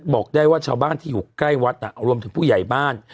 บอกได้ว่าชาวบ้านที่อยู่ใกล้วัดรวมถึงผู้ใหญ่บ้าน